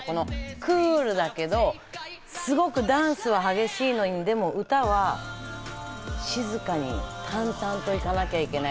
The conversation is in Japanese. クールだけど、すごくダンスは激しいのにでも歌は静かに淡々と行かなきゃいけない。